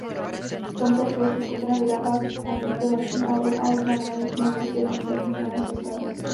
V tomtéž roce skupina vydává kompilační album a oznamuje znovusjednocení v plné sestavě.